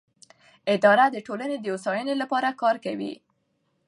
اداره د ټولنې د هوساینې لپاره کار کوي.